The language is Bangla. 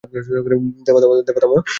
দেবা, থাম।